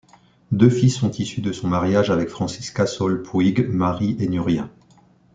Deux filles sont issues de son mariage avec Francisca Sol Puig, Marie et Nuria.